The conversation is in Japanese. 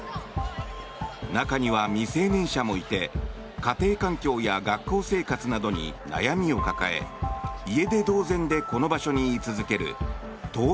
中には未成年者もいて家庭環境や学校生活などに悩みを抱え家出同然でこの場所に居続けるトー